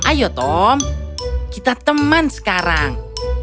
ayo tom kita teman sekarang